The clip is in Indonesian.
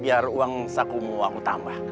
biar uang saku mau aku tambah